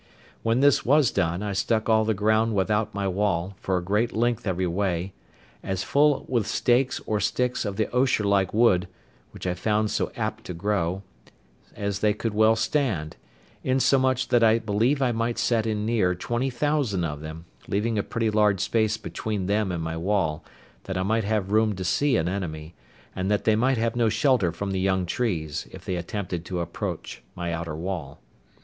When this was done I stuck all the ground without my wall, for a great length every way, as full with stakes or sticks of the osier like wood, which I found so apt to grow, as they could well stand; insomuch that I believe I might set in near twenty thousand of them, leaving a pretty large space between them and my wall, that I might have room to see an enemy, and they might have no shelter from the young trees, if they attempted to approach my outer wall.